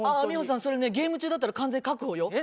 美穂さんそれねゲーム中だったら完全に確保よ。